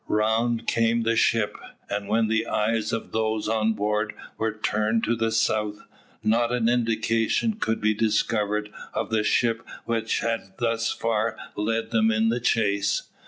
Round came the ship, and when the eyes of those on board were turned to the south, not an indication could be discovered of the ship which had thus far led them in the chase.